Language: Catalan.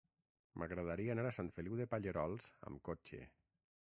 M'agradaria anar a Sant Feliu de Pallerols amb cotxe.